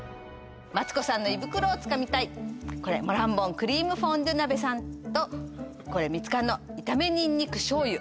マツコさんの胃袋を掴みたいこれモランボンクリームフォンデュ鍋さんとこれミツカンの炒めにんにく醤油